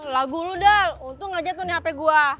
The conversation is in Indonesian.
lagu lu dal untung gak jatuh nih hape gua